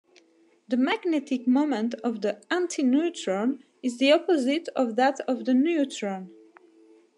The magnetic moment of the antineutron is the opposite of that of the neutron.